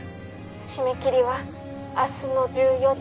「締め切りは明日の１４時」